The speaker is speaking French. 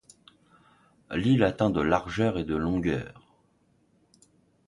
L'île atteint de largeur et de longueur.